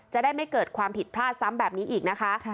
จะได้ไม่เกิดความผิดพลาดซ้ำแบบนี้อีกนะคะ